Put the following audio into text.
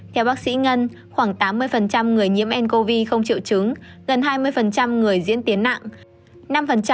theo bác sĩ ngân khoảng tám mươi người nhiễm ncov không triệu chứng gần hai mươi người diễn tiến nặng